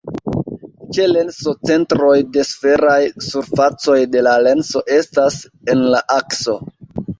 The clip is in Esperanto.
Ĉe lenso centroj de sferaj surfacoj de la lenso estas en la akso.